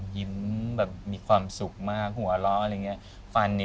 ยิ้มแบบมีความสุขมากหัวเราะอะไรอย่างนี้